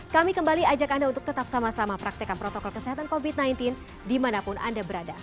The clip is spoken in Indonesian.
kami kembali ajak anda untuk tetap sama sama praktekan protokol kesehatan covid sembilan belas dimanapun anda berada